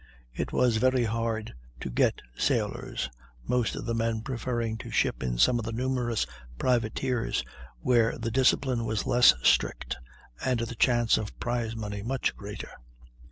It was very hard to get sailors, most of the men preferring to ship in some of the numerous privateers where the discipline was less strict and the chance of prize money much greater.